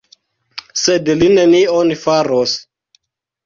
Sed li nenion faros.